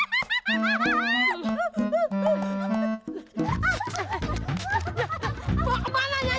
bu kemana yayang